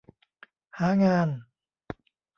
หางาน